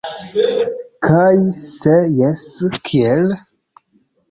Kaj se jes, kiel?